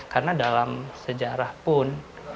karena dalam sejarah pun